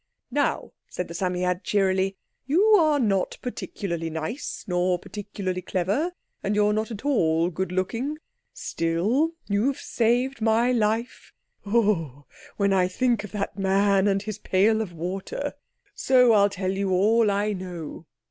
"Now," said the Psammead cheerily, "you are not particularly nice, nor particularly clever, and you're not at all good looking. Still, you've saved my life—oh, when I think of that man and his pail of water!—so I'll tell you all I know.